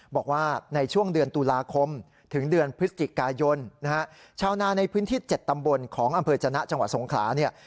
บอกว่าในช่วงเดือนตุลาคมถึงเดือนพฤศจิกายนนะฮะชาวนาในพื้นที่๗ตำบลของอำเภอจนะจังหวัดสงขลาเนี่ย